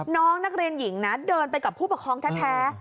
น้องนักเรียนหญิงนะเดินไปกับผู้ปกครองแท้